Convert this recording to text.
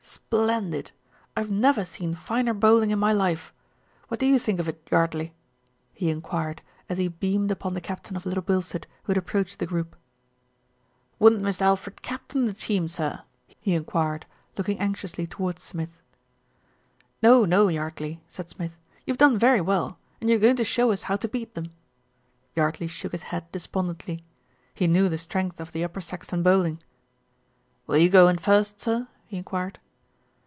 "Splendid ! I have never seen finer bowling in my life. What do you think of it, Yardley?" he enquired, as he beamed upon the captain of Little Bilstead, who had approached the group. "Wouldn't Mist' Alfred captain the team, sir?" he enquired, looking anxiously towards Smith. "No, no, Yardley," said Smith. "You've done very well, and you're going to show us how to beat them." Yardley shook his head despondently he knew the strength of the Upper Saxton bowling. "Will you go in first, sir?" he enquired.